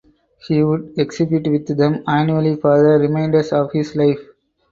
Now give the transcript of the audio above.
He would exhibit with them annually for the remainder of his life.